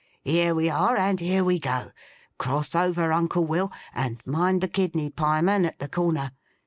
Here we are and here we go! Cross over, Uncle Will, and mind the kidney pieman at the corner!